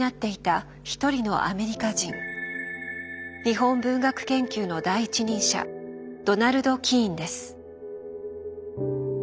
日本文学研究の第一人者ドナルド・キーンです。